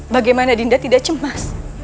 bagaimana dinda tidak cemas